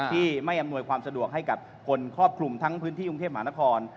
ที่ไม่อำนวยความสะดวกให้กับคนครอบคลุมทั้งพื้นที่กรุงเทพหมานคร